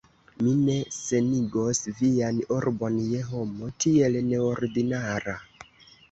mi ne senigos vian urbon je homo tiel neordinara.